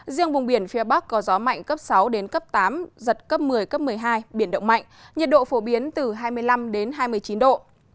riêng vùng biển phía bắc có gió mạnh cấp sáu đến cấp tám giật cấp một mươi cấp một mươi hai biển động mạnh nhiệt độ phổ biến từ hai mươi năm đến hai mươi chín độ